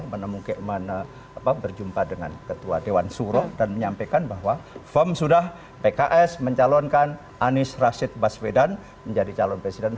menemukan berjumpa dengan ketua dewan suro dan menyampaikan bahwa firm sudah pks mencalonkan anies rashid baswedan menjadi calon presiden